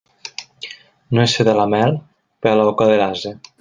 No és feta la mel per a la boca de l'ase.